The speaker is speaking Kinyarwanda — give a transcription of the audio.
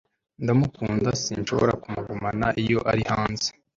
ndamukunda, sinshobora kumugumana iyo ari hanze